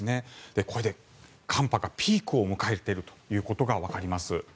これで寒波がピークを迎えていることがわかります。